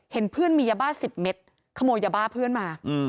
เห็นเพื่อนมียาบ้า๑๐เมตรขโมยยาบ้าเพื่อนมา